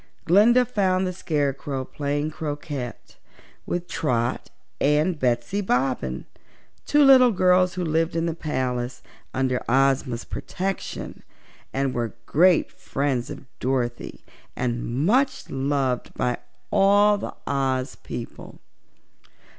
Glinda found the Scarecrow playing croquet with Trot and Betsy Bobbin, two little girls who lived at the palace under Ozma's protection and were great friends of Dorothy and much loved by all the Oz people.